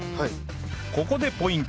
ここでポイント